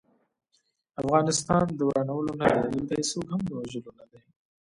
افغانستان د ورانولو نه دی، دلته هيڅوک هم د وژلو نه دی